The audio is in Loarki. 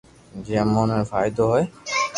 جو امو نو فائدو ھوئي